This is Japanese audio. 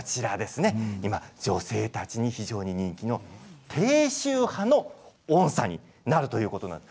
今、女性たちに非常に人気の低周波の音さになるということです。